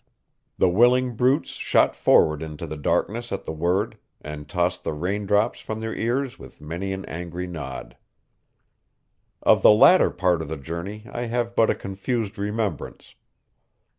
The willing brutes shot forward into the darkness at the word, and tossed the rain drops from their ears with many an angry nod. Of the latter part of the journey I have but a confused remembrance.